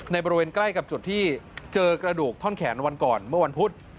บริเวณใกล้กับจุดที่เจอกระดูกท่อนแขนวันก่อนเมื่อวันพุธ